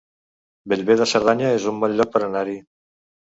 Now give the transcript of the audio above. Bellver de Cerdanya es un bon lloc per anar-hi